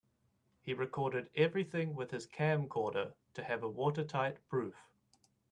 He recorded everything with his camcorder to have a watertight proof.